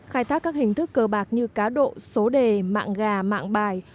khai thác các hình thức cờ bạc như cá độ số đề mạng gà mạng bài